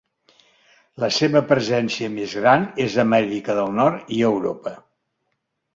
La seva presència més gran és a Amèrica del Nord i Europa.